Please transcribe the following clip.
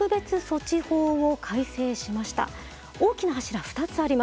大きな柱２つあります。